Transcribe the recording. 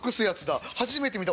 初めて見た男で。